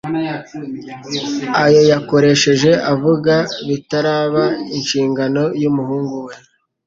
ayo yakoresheje avuga bitaraba inshingano y'umuhungu we,